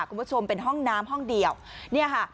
คุณผู้ชมเป็นห้องน้ำห้องเดียวเนี่ยค่ะ